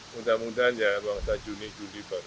mudah mudahan ya ruang sajuni juni baru